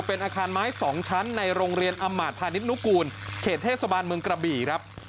เป็นอาคารไม้๒ชั้นในโรงเรียนอำมาตพาณิชนุกูลเขตเทศบาลเมืองกระบี่ครับ